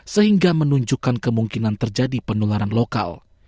sehingga menunjukkan kemungkinan terjadi penularan lokal